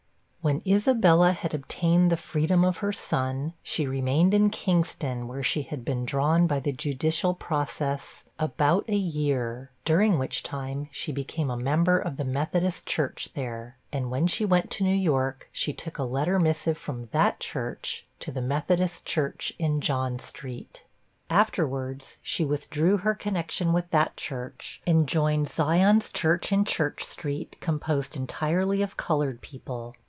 When Isabella had obtained the freedom of her son, she remained in Kingston, where she had been drawn by the judicial process, about a year, during which time she became a member of the Methodist Church there: and when she went to New York, she took a letter missive from that church to the Methodist Church in John street. Afterwards, she withdrew her connection with that church, and joined Zion's Church in Church street, composed entirely of colored people.